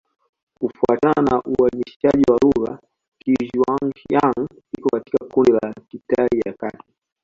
Kufuatana na uainishaji wa lugha, Kizhuang-Yang iko katika kundi la Kitai ya Kati.